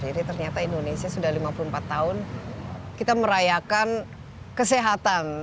jadi ternyata indonesia sudah lima puluh empat tahun kita merayakan kesehatan